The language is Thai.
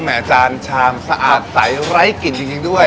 แหม่จานชามสะอาดใส้ไร้กลิ่นจริงด้วย